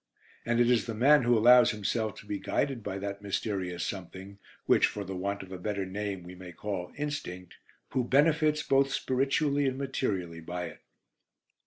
And it is the man who allows himself to be guided by that mysterious something, which for the want of a better name we may call "instinct," who benefits, both spiritually and materially, by it.